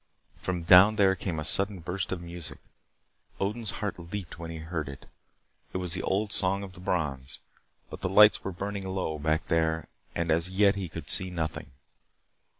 From down there came a sudden burst of music. Odin's heart leaped when he heard it. It was the old song of the Brons. But the lights were burning low back there and as yet he could see nothing.